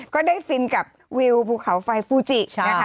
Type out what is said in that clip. ก็ได้ฟินกับวิวภูเขาไฟฟูจินะคะ